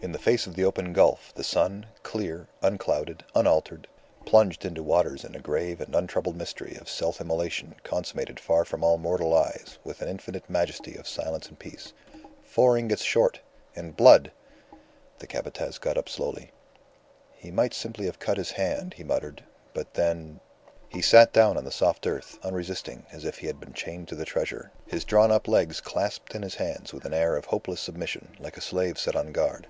In the face of the open gulf, the sun, clear, unclouded, unaltered, plunged into the waters in a grave and untroubled mystery of self immolation consummated far from all mortal eyes, with an infinite majesty of silence and peace. Four ingots short! and blood! The Capataz got up slowly. "He might simply have cut his hand," he muttered. "But, then " He sat down on the soft earth, unresisting, as if he had been chained to the treasure, his drawn up legs clasped in his hands with an air of hopeless submission, like a slave set on guard.